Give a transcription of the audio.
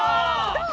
どう？